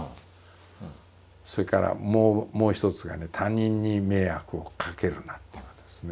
それからもう一つがね他人に迷惑をかけるなっていうことですね。